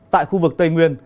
tại khu vực tây nguyên